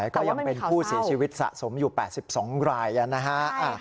ก็ยังเป็นผู้เสียชีวิตสะสมอยู่๘๒รายนะฮะ